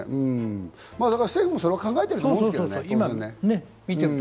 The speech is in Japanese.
政府もそれは考えてると思いますけどね。